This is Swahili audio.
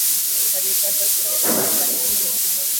Kanipata mwenye dhambi, kaniokoa.